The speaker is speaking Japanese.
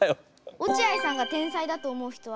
落合さんが天才だと思う人はだれですか？